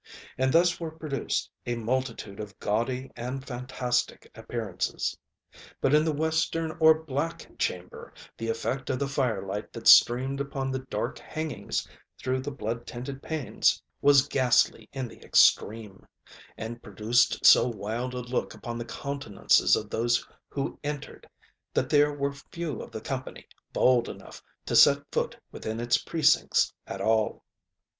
And thus were produced a multitude of gaudy and fantastic appearances. But in the western or black chamber the effect of the fire light that streamed upon the dark hangings through the blood tinted panes, was ghastly in the extreme, and produced so wild a look upon the countenances of those who entered, that there were few of the company bold enough to set foot within its precincts at all.